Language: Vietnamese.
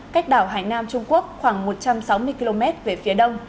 cách đảo hải nam trung quốc khoảng một trăm sáu mươi km về phía đông